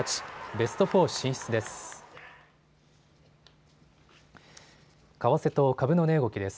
ベスト４進出です。